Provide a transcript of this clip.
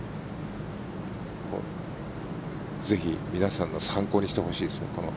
ぜひ皆さんの参考にしてほしいですね。